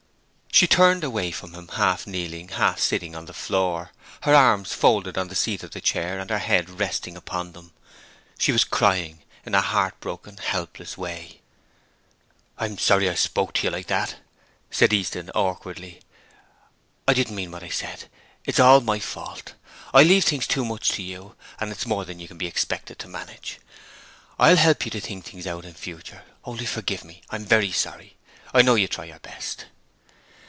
She turned away from him, half kneeling, half sitting on the floor, her arms folded on the seat of the chair, and her head resting upon them. She was crying in a heartbroken helpless way. 'I'm sorry I spoke to you like that,' said Easton, awkwardly. 'I didn't mean what I said. It's all my fault. I leave things too much to you, and it's more than you can be expected to manage. I'll help you to think things out in future; only forgive me, I'm very sorry. I know you try your best.'